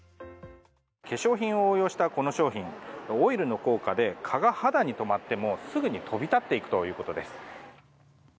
化粧品を応用したこの商品オイルの効果で蚊が肌に止まってもすぐに飛び立っていくということです。